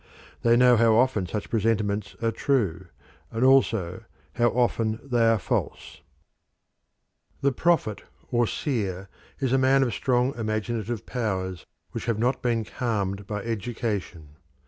They know how often such presentiments are true, and also how often they are false. The Prophets The prophet or seer is a man of strong imaginative powers which have not been calmed by education.